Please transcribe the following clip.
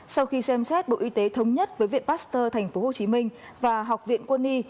sau khi xem xét bộ y tế thống nhất với viện pasteur tp hcm và học viện quân y